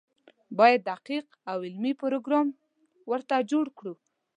باید دقیق او علمي پروګرام ورته جوړ کړو.